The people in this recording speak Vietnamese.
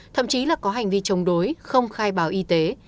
thậm chí là có hành vi chống đối không khai báo y tế